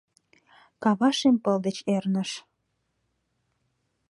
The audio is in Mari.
Кава шем пыл деч эрныш.